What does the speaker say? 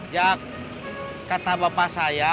jak kata bapak saya